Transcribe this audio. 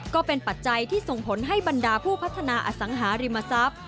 ปัจจัยที่ส่งผลให้บรรดาผู้พัฒนาอสังหาริมทรัพย์